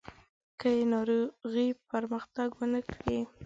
که یې ناروغي پرمختګ ونه کړي.